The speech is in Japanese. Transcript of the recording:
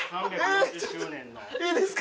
いいですか？